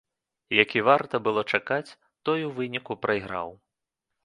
Як і варта было чакаць, той у выніку прайграў.